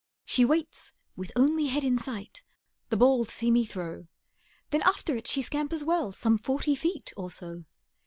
She waits, with only head in sight, The ball to see me throw; Then after it she scampers well Some forty feet or so.